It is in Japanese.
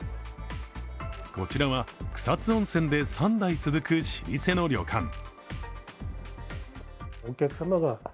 こちらは草津温泉で三代続く老舗の旅館。